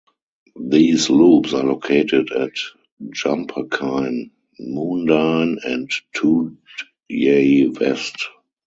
These loops are located at Jumperkine, Moondyne and Toodyay West.